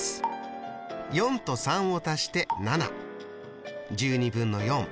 ４と３を足して７。